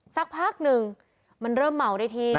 สักพักหนึ่งมันเริ่มเมาได้ที่